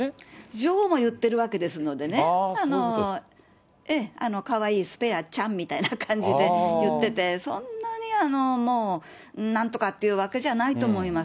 女王も言ってるわけですのでね、かわいいスペアちゃんみたいな感じで言ってて、そんなに、もうなんとかというわけじゃないと思います。